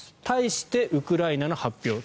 対してウクライナの発表